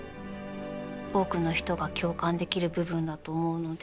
多くの人が共感できる部分だと思うので。